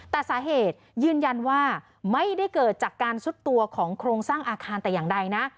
แต่สาเหตุยืนยันว่าไม่ได้เกิดจากการซุดตัวของโครงสร้างอาคารแต่อย่างใดนะ